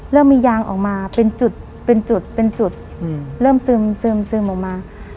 เริ่มมียางออกมาเป็นจุดเป็นจุดเป็นจุดเริ่มซึมออกมา